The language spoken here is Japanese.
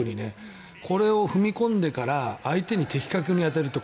これを踏み込んでから相手に的確に当てるという。